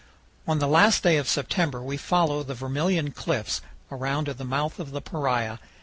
On the last day of September we follow the Vermilion Cliffs around to the mouth of the Paria.